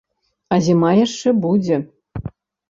А зіма яшчэ будзе.